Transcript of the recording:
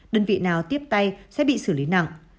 đơn vị nào tiếp tay sẽ bị xử lý nặng